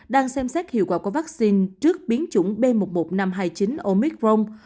đang xem xét hiệu quả của vaccine trước biến chủng b một một năm trăm hai mươi chín omicron